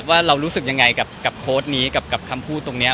ว่าเรารู้สึกยังไงกับโพสต์นี้กับคำพูดตรงนี้